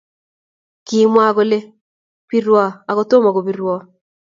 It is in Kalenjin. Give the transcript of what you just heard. Kimwa kole pirwo akotomo kopirwo